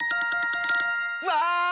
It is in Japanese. わあ！